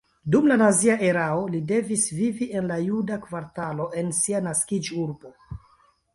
Dum la nazia erao li devis vivi en la juda kvartalo en sia naskiĝurbo.